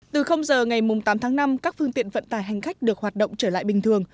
từ giờ ngày tám tháng năm các phương tiện vận tải hành khách được hoạt động trở lại bình thường